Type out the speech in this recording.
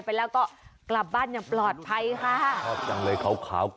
ไปแล้วก็กลับบ้านอย่างปลอดภัยค่ะ